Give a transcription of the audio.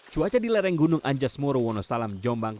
cuaca di lereng gunung anjas moro wonosalam jombang